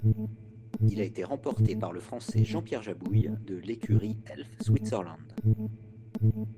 Il a été remporté par le français Jean-Pierre Jabouille, de l'écurie Elf-Switzerland.